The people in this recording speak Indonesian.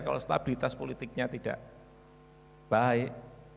kalau stabilitas politiknya tidak baik